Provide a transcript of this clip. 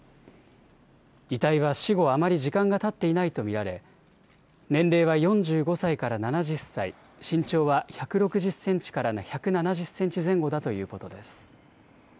遺体は死後あまり時間がたっていないと見られ、年齢は４５歳から７０歳、身長は１６０センチから１７０センチ前後だということです。